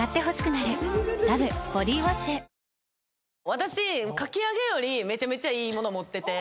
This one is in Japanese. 私かき上げよりめちゃめちゃいいもの持ってて。